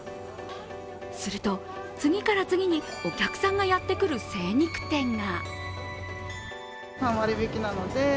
すると、次から次にお客さんがやってくる精肉店が。